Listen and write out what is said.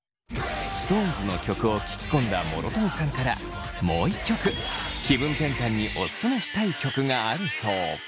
ＳｉｘＴＯＮＥＳの曲を聴き込んだ諸富さんからもう一曲気分転換にオススメしたい曲があるそう。